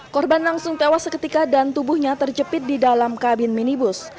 korban langsung tewas seketika dan tubuhnya terjepit di dalam kabin minibus